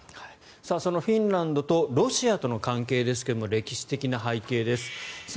そのフィンランドとロシアとの関係ですが歴史的な背景です。